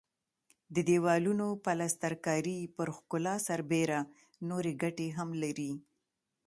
د دېوالونو پلستر کاري پر ښکلا سربېره نورې ګټې هم لري.